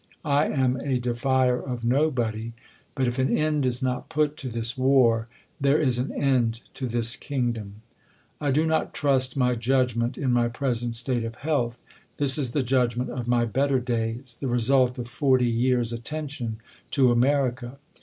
I am a defier of nobody ; but if an end is not put to this war, there is an end to t this kingdom. I do not trust my judgment in my pres j ent state of health ; this is the judgment of my better days ; the result of forty years attention to America.